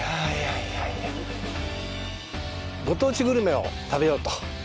ご当地グルメを食べようと。